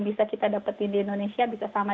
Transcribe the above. bisa kita dapati di indonesia bisa sama